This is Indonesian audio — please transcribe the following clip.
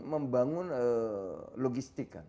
membangun logistik kan